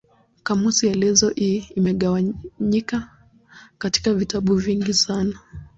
Kamusi elezo hii imegawanyika katika vitabu vingi sana.